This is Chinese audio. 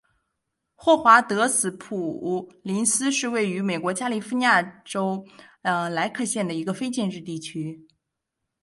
霍华德斯普林斯是位于美国加利福尼亚州莱克县的一个非建制地区。